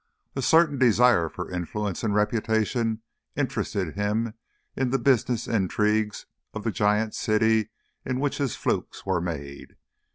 A certain desire for influence and reputation interested him in the business intrigues of the giant city in which his flukes were made.